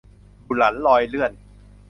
บุหลันลอยเลื่อน